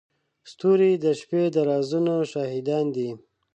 ستوري د شپې د رازونو شاهدان دي.